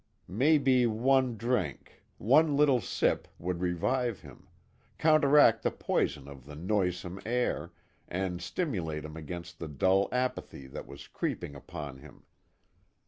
Maybe one drink one little sip would revive him counteract the poison of the noisome air, and stimulate him against the dull apathy that was creeping upon him.